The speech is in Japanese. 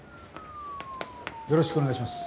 よろしくお願いします。